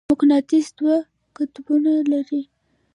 مقناطیس دوه قطبونه لري.